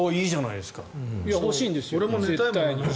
欲しいんですよ。